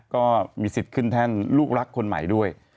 ก็มีสิทธิ์ขึ้นแท่นลูกรักคนใหม่ด้วย